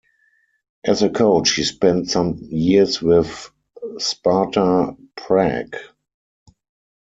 As a coach, he spent some years with Sparta Prague.